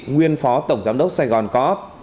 nguyên phó tổng giám đốc sài gòn co op